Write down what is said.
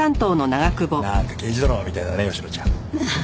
なんか刑事ドラマみたいだね吉野ちゃん。